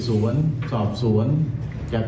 ผู้บังคับการตำรวจบูธรจังหวัดเพชรบูนบอกว่าจากการสอบสวนนะครับ